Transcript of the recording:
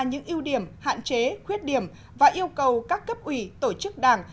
những ưu điểm hạn chế khuyết điểm và yêu cầu các cấp ủy tổ chức đảng